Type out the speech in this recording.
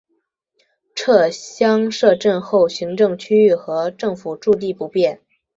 撤乡设镇后行政区域和政府驻地不变。